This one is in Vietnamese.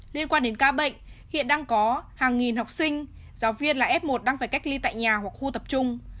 liên quan đến ca bệnh hiện đang có hàng nghìn học sinh giáo viên là f một đang phải cách ly tại nhà hoặc khu tập trung